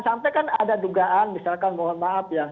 sampai kan ada dugaan misalkan mohon maaf ya